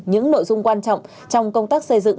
những nội dung quan trọng trong công tác xây dựng